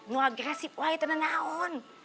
ngeagresif wah itu nanaun